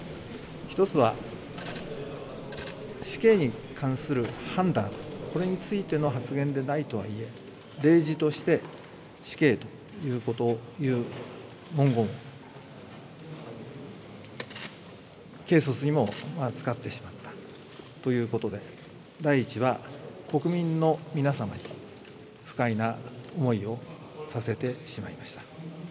一つは、死刑に関する判断、これについての発言でないとはいえ、れいじとして死刑ということ、文言、軽率にも扱ってしまったということで、第１は国民の皆様に不快な思いをさせてしまいました。